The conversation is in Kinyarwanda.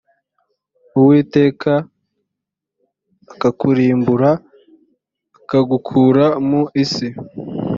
uwiteka akakurimbura akagukura mu isi